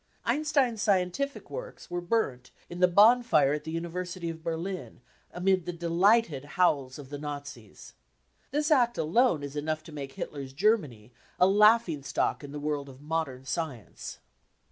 Einstein's scien tific works were burnt in the bonfire at the University of Berlin, amid the delighted howls of the Nazis. This act alone is enough to make Hitler's Germany a laughing stock in the world of modern science.